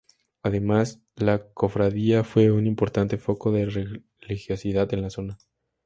Además, la cofradía fue un importante foco de religiosidad en la zona.